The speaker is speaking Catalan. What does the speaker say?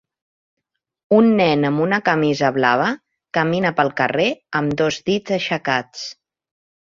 Un nen amb una camisa blava camina pel carrer amb dos dits aixecats.